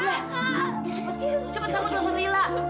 cepet cepet kamu susul ibu